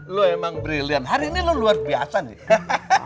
lo emang brilliant hari ini lo luar biasa nih